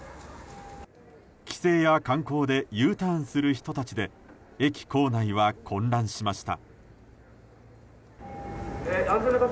帰省や観光でＵターンする人たちで駅構内は混乱しました。